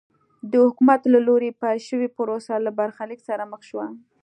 د حکومت له لوري پیل شوې پروسه له برخلیک سره مخ شوه.